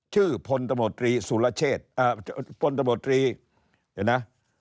ชื่อพลตมตรีสุรเชษเอ่อพลตมตรีเดี๋ยวนะ